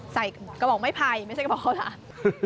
ใส่กระบอกไม่ไผ่ไม่ใช่กระบอกข้าวหลาม